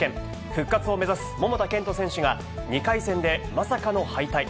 復活を目指す桃田賢斗選手が、２回戦でまさかの敗退。